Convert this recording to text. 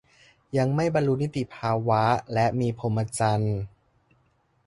ยังไม่บรรลุนิติภาวะและมีพรหมจรรย์